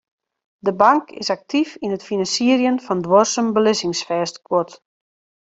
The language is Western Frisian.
De bank is aktyf yn it finansierjen fan duorsum belizzingsfêstguod.